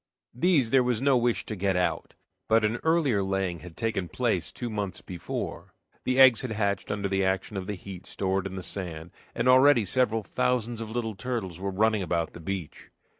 These there was no wish to get out. But an earlier laying had taken place two months before, the eggs had hatched under the action of the heat stored in the sand, and already several thousands of little turtles were running about the beach.